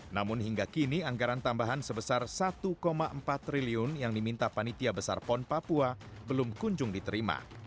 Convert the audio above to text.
namun hingga kini anggaran tambahan sebesar satu empat triliun yang diminta panitia besar pon papua belum kunjung diterima